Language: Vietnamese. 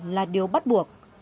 là điều bắt buộc